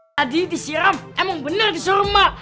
tadi disiram emang bener disurma